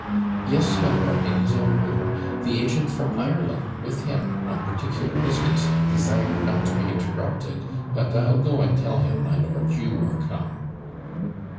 'Yes, my lord, in his own room the agent from Ireland with him, on particular business desired not to be interrupted but I'll go and tell him, my lord, you are come.'